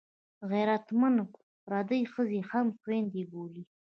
غیرتمند پردۍ ښځه هم خوینده بولي